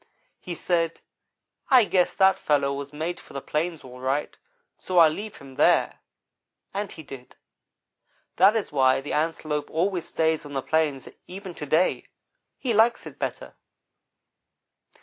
"He said: 'I guess that fellow was made for the plains, all right, so I'll leave him there'; and he did. That is why the Antelope always stays on the plains, even to day. He likes it better.